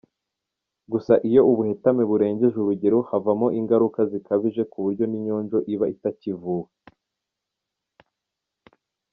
Gusa iyo ubuhetame burengeje urugero havamo ingaruka zikabije ku buryo n’inyonjo iba itakivuwe.